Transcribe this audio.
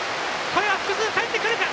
これは複数かえってくるか！